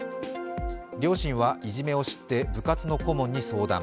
両親はいじめを知って部活の顧問に相談。